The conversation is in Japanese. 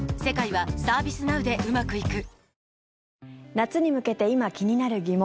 夏に向けて今、気になる疑問。